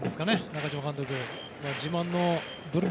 中嶋監督。